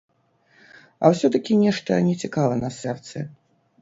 А ўсё-такі нешта нецікава на сэрцы.